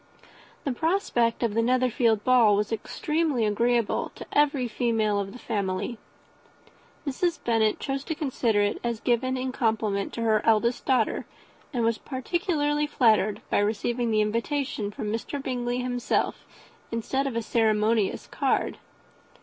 The prospect of the Netherfield ball was extremely agreeable to every female of the family. Mrs. Bennet chose to consider it as given in compliment to her eldest daughter, and was particularly flattered by receiving the invitation from Mr. Bingley himself, instead of a ceremonious card.